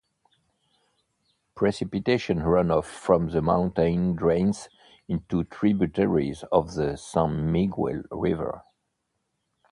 Precipitation runoff from the mountain drains into tributaries of the San Miguel River.